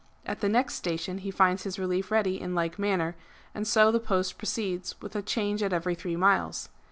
At the next station he finds his relief ready in like manner ; and so the post proceeds, with a change at every three miles.